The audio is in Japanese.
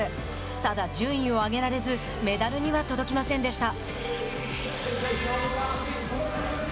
ただ、順位を上げられずメダルには届きませんでした。